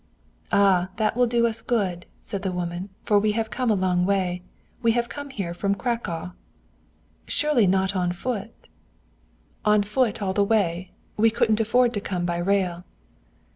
"'Ah, that will do us good,' said the woman, 'for we have come a long way. We have come here from Cracow.' "'Surely not on foot?' "'On foot all the way. We couldn't afford to come by rail.'